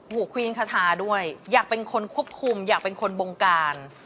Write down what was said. ควีนคาทาด้วยอยากเป็นคนควบคุมอยากเป็นคนบงการ